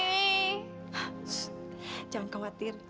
ssst jangan khawatir